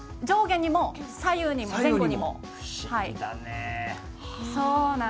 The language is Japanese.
上下にも左右にも前後にも。